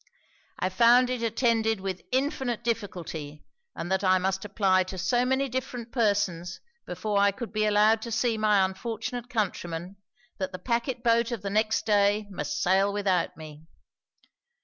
I found it attended with infinite difficulty, and that I must apply to so many different persons before I could be allowed to see my unfortunate countryman, that the pacquet boat of the next day must sail without me.